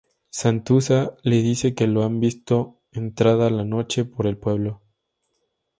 Santuzza le dice que lo han visto entrada la noche por el pueblo.